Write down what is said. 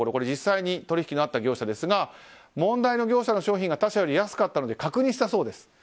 実際に取引のあった業者ですが問題の業者の商品が他社より安かったので確認したそうです。